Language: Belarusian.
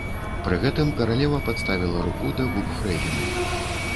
Пры гэтым каралева падставіла руку да губ фрэйліны.